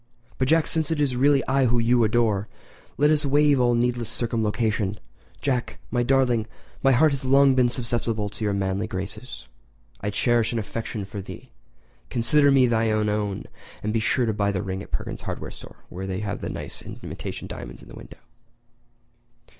"But, Jack, since it is really I whom you adore, let us waive all needless circumlocution. Jack—my darling—my heart has long been susceptible to your manly graces. I cherish an affection for thee—consider me thine own and be sure to buy the ring at Perkins' hardware store where they have such nice imitation diamonds in the window."